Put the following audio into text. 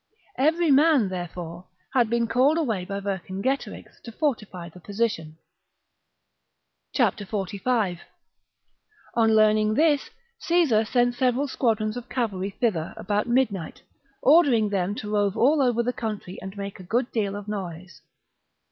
Every man, therefore, had been called away by Vercingetorix to fortify the position.^ and devises 45. On learning this, Caesar sent several squadrons of cavalry thither about midnight, ordering them to rove all over the country and make a good deal of noise.